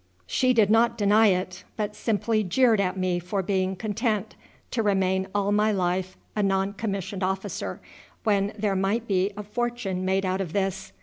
"She did not deny it, but simply jeered at me for being content to remain all my life a non commissioned officer when there might be a fortune made out of this.